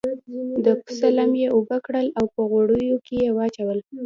د پسه لم یې اوبه کړل او په غوړیو کې یې واچول.